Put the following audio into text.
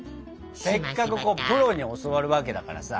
せっかくプロに教わるわけだからさ。